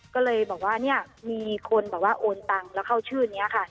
ก็เลยบอกว่ามีคนโอนตังแล้วเข้าชื่อนี้ค่ะ